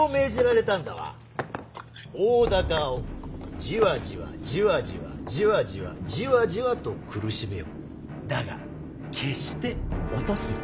大高をじわじわじわじわじわじわじわじわと苦しめよだが決して落とすな。